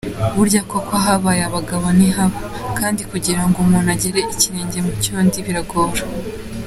Burya koko ahabaye abagabo ntihaba, kandi kugirango umuntu agere ikirenge mucyundi biragora.